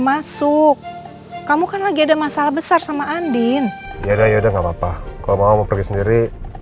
masuk kamu kan lagi ada masalah besar sama andien yaudah yaudah enggak papa kalo mau pergi sendiri